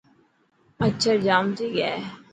مڇر جام ٿي گيا هي.